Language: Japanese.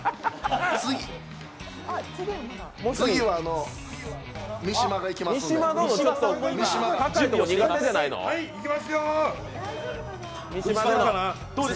次は三島がいきますんで。